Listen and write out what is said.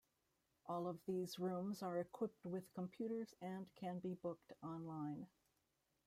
All of these rooms are equipped with computers and can be booked online.